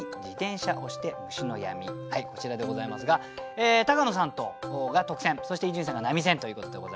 こちらでございますが高野さんが特選そして伊集院さんが並選ということでございますね。